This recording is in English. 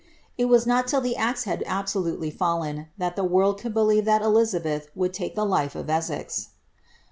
It was not till the axe had olutely fallen, that the world could believe that Elizabeth would take life of Essex.